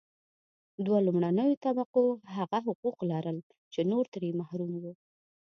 دوه لومړنیو طبقو هغه حقوق لرل چې نور ترې محروم وو.